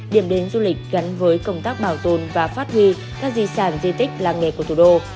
điểm đến du lịch gắn với công tác bảo tồn và phát huy các di sản di tích làng nghề của thủ đô